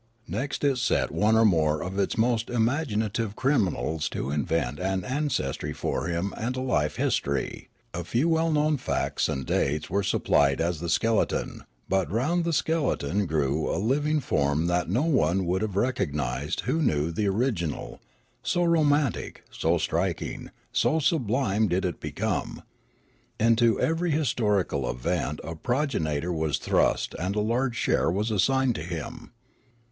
Next it set one or more of its most imaginative criminals to invent an ancestry for him and a life history ; a few well known dates and facts were sup plied as the skeleton ; but round the skeleton grew a living form that no one would have recognised who knew the original, so romantic, so striking, so sublime did it become. Into every historical event a progenitor was thrust and a large share was assigned to him.